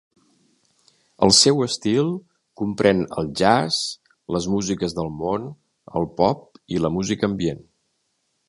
El seu estil comprèn el jazz, les músiques del món, el pop i la música ambient.